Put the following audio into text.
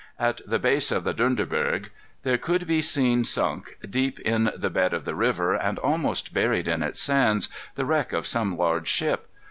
At the base of the Dunderberg, there could be seen sunk, deep in the bed of the river, and almost buried in its sands, the wreck of some large ship.